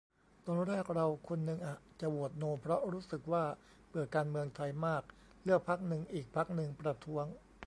ตอนแรกเราคนนึงอะจะโหวตโน เพราะรู้สึกว่าเบื่อการเมืองไทยมากเลือกพรรคนึง อีกพรรคนึงประท้วง